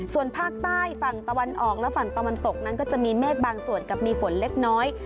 ส่วนภาคใต้ฝั่งตะวันออกและฝั่งตะวันตกนั้นก็จะมีเมฆบางส่วนกับมีฝนเล็กน้อย